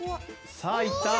さあいった。